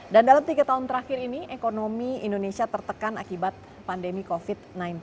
dan dalam tiga tahun terakhir ini ekonomi indonesia tertekan akibat pandemi covid sembilan belas